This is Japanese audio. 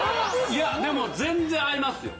いやでも全然合いますよ。